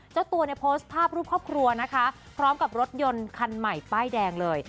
เจ้าตัวเนี่ยโพสต์ภาพรูปครอบครัวนะคะพร้อมกับรถยนต์คันใหม่ป้ายแดงเลย